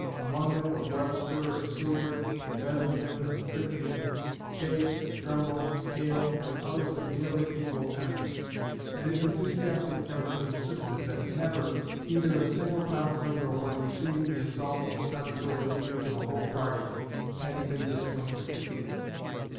Among them were Webster and Seward, Fessenden and Crittenden, Chase, Trumbull, Hale and others of nearly equal eminence; and his enthusiastic friends insisted that never, either in single conflict or when receiving the assault of the senatorial leaders of a whole party, had he been discomfited.